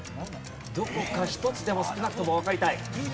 どこか一つでも少なくともわかりたい。